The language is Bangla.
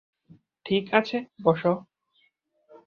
ঠিক আছে, বস।